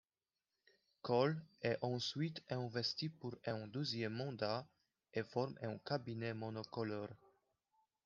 Kohl est ensuite investi pour un deuxième mandat et forme un cabinet monocolore.